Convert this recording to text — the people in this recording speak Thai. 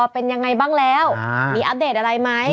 เป็นยังไงบ้างแล้วมีอัปเดตอะไรไหม